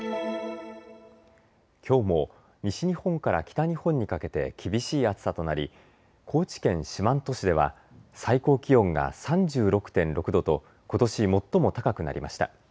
きょうも西日本から北日本にかけて厳しい暑さとなり高知県四万十市では最高気温が３６．６度とことし最も高くなりました。